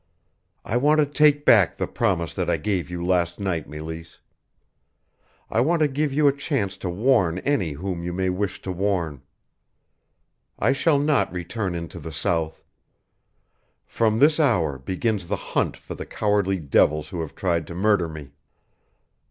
"I want to take back the promise that I gave you last night, Meleese. I want to give you a chance to warn any whom you may wish to warn. I shall not return into the South. From this hour begins the hunt for the cowardly devils who have tried to murder me.